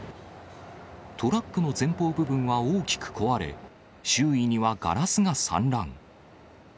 トラックの前方部分は大きく壊れ、周囲にはガラスが散乱。